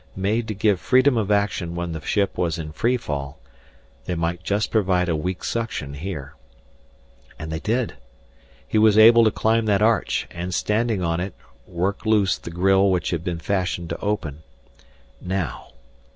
Made to give freedom of action when the ship was in free fall, they might just provide a weak suction here. And they did! He was able to climb that arch and, standing on it, work loose the grille which had been fashioned to open. Now....